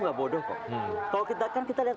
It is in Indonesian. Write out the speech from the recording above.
nggak bodoh kok kalau kita kan kita lihat